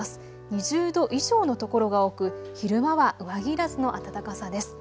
２０度以上の所が多く昼間は上着いらずの暖かさです。